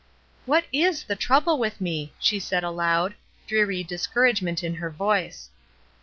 "What is the trouble with me?" she said aloud, dreary discouragement m her voice.